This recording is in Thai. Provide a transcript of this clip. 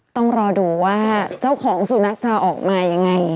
ต้องรอดูว่าเจ้าของสุนัขจะออกมายังไง